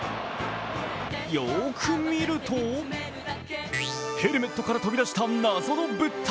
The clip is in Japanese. よーく見ると、ヘルメットから飛び出した謎の物体。